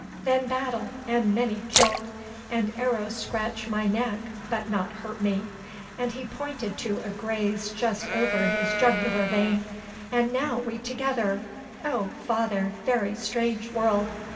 Then battle, and many killed, and arrow scratch my neck but not hurt me," and he pointed to a graze just over his jugular vein, "and now we together. Oh! Father, very strange world!